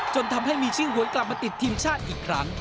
จนทำให้มีชิงหวนกลับมาติดทีมชาติอีกครั้ง